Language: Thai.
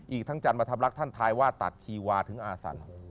อีกทั้งจันทร์มาทำรักท่านทายว่าตัดชีวาถึงอาสัน